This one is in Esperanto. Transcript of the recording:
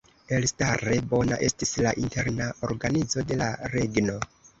Elstare bona estis la interna organizo de la regno.